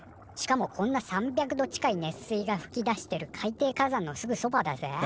しかもこんな３００度近い熱水がふき出してる海底火山のすぐそばだぜ。